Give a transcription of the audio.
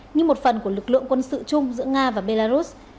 như một phần của lực lượng quân sự chung giữa nga và belarus